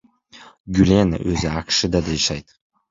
Гүлен өзү АКШда жашайт.